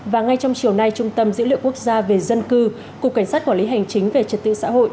và ngay trong chiều nay trung tâm dữ liệu quốc gia về dân cư cục cảnh sát quản lý hành chính về trật tự xã hội